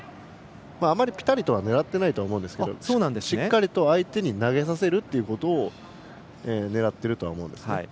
あんまり、ぴたりとは狙ってないと思うんですけどしっかりと相手に投げさせるということを狙っているとは思います。